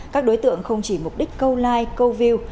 các đối tượng không chỉ mục đích câu like câu view